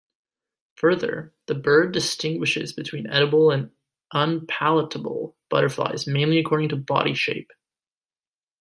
Further, the bird distinguishes between edible and unpalatable butterflies mainly according to body shape.